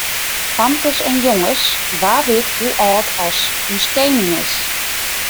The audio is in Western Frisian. Famkes en jonges, wa wit hoe âld as ús kening is?